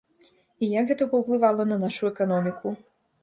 І як гэта паўплывала на нашу эканоміку?